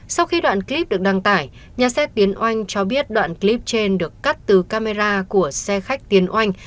sau khi đoạn clip được đăng tải nhà xe tiến oanh cho biết đoạn clip trên được cắt từ camera của xe khách tiến oanh